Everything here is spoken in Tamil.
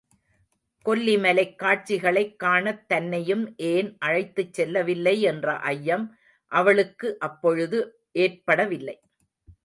கொல்லிமலைக் காட்சிகளைக் காணத் தன்னையும் ஏன் அழைத்துச் செல்லவில்லை என்ற ஐயம் அவளுக்கு அப்பொழுது ஏற்படவில்லை.